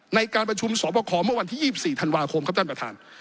ในการประชุมสอบคอเมื่อวันที่๒๔ธันวาคมครับท่านประธาน